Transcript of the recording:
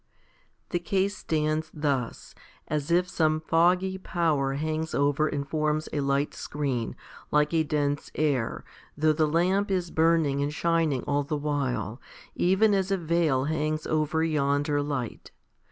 5. The case stands thus, as if some foggy power hangs over and forms a light screen, like a dense air, though the lamp is burning and shining all the while, even as a veil hangs over yonder light.